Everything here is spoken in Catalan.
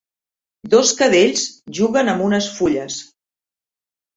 Dos cadells juguen amb unes fulles.